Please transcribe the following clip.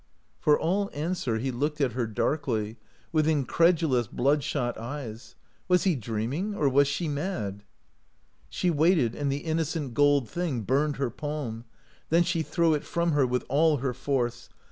For all answer he looked at her darkly, with incredulous bloodshot eyes. Was he dreaming, or was she mad? She waited, and the innocent gold thing burned her palm; then she threw it from her with all her force.